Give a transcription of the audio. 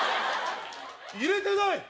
入れてない！